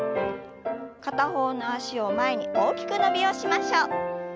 片方の脚を前に大きく伸びをしましょう。